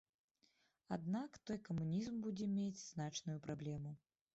Аднак той камунізм будзе мець значную праблему.